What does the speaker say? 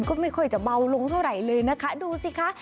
ก็ไม่ค่อยที่เบาลงเท่าไหร่เลยนะคะ